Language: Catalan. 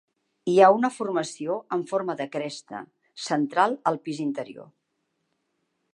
Hi ha una formació en forma de cresta central al pis interior.